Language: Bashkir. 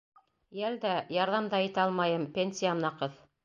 Йәл дә, ярҙам да итә алмайым, пенсиям наҡыҫ.